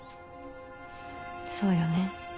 そうよね。